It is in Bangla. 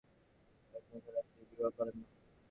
এইজন্য সন্ন্যাসীরা কখনও বিবাহ করে না।